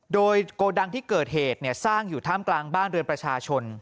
โดยโกดังที่เกิดเหตุสร้างอยู่ท่ามกลางบ้านเรือนประชาชน